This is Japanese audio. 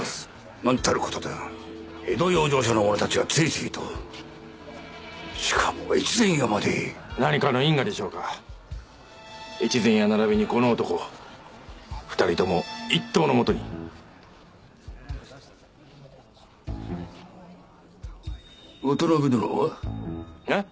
なんたることだ江戸養生所の者たちが次々としかも越前屋まで何かの因果でしょうか越前屋ならびにこの男２人とも一刀のもとに渡辺殿は？えっ？